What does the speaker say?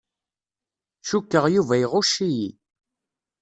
Cukkeɣ Yuba iɣucc-iyi.